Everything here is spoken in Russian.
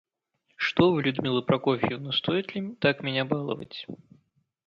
Что Вы, Людмила Прокофьевна, стоит ли так меня баловать?